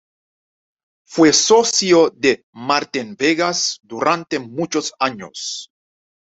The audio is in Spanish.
Fue socio de Martín Vegas durante muchos años.